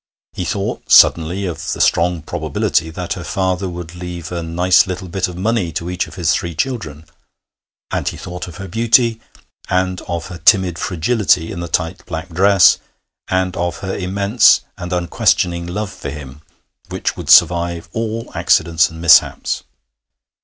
He thought suddenly of the strong probability that her father would leave a nice little bit of money to each of his three children; and he thought of her beauty, and of her timid fragility in the tight black dress, and of her immense and unquestioning love for him, which would survive all accidents and mishaps.